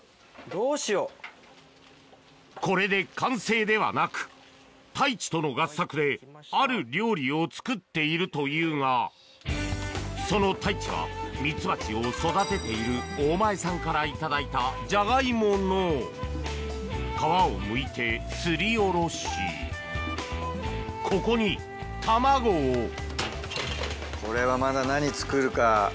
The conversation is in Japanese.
これで完成ではなく太一との合作である料理を作っているというがその太一はミツバチを育てている大前さんから頂いたジャガイモの皮をむいてすりおろしここに卵をこれは。